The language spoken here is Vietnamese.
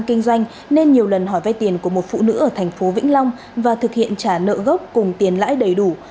kinh doanh nên nhiều lần hỏi vay tiền của một phụ nữ ở thành phố vĩnh long và thực hiện trả nợ gốc cùng tiền lãi đầy đủ